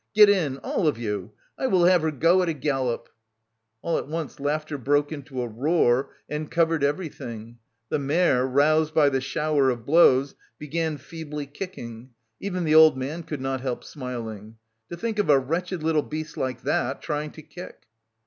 Get in, all of you! I will have her go at a gallop!..." All at once laughter broke into a roar and covered everything: the mare, roused by the shower of blows, began feebly kicking. Even the old man could not help smiling. To think of a wretched little beast like that trying to kick!